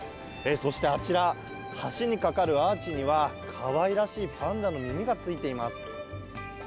そしてあちら、橋に架かるアーチには、かわいらしいパンダの耳がついています。